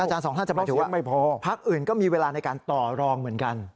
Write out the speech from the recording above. อาจารย์สองท่านจะหมายถึงว่าภักดิ์อื่นก็มีเวลาในการต่อรองเหมือนกัน